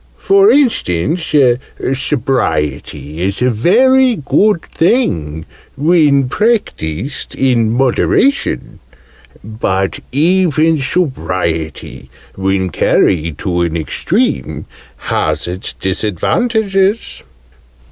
"For instance, Sobriety is a very good thing, when practised in moderation: but even Sobriety, when carried to an extreme, has its disadvantages."